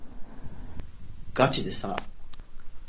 がちでさ